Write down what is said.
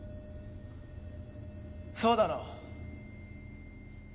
そうだろ？